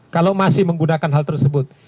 kalau masih menggunakan hal tersebut